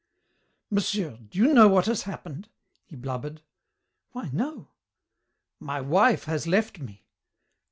"Monsieur, do you know what has happened?" he blubbered. "Why, no." "My wife has left me."